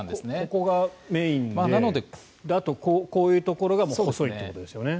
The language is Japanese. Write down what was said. ここがメインであと、こういうところが細いということですよね。